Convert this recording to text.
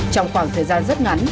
trong khoảng thời gian rất ngắn